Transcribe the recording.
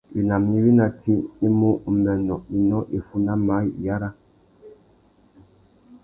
Winama iwí ná tsi i mú: umbênô, inó, iffuná, maye, iyara.